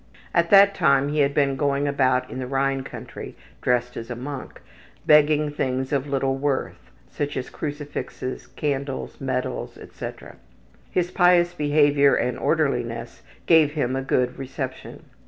At that time he had been going about in the Rhine country dressed as a monk, begging things of little worth, such as crucifixes, candles, medals, etc. His pious behavior and orderliness gave him a good reception.